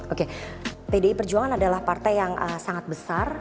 oke pdi perjuangan adalah partai yang sangat besar